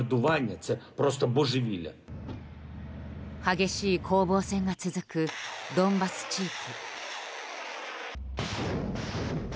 激しい攻防戦が続くドンバス地域。